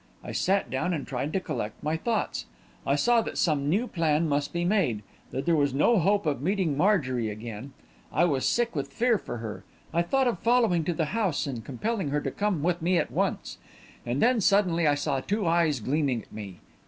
I sat down and tried to collect my thoughts. I saw that some new plan must be made that there was no hope of meeting Marjorie again. I was sick with fear for her; I thought of following to the house and compelling her to come with me at once. And then, suddenly, I saw two eyes gleaming at me.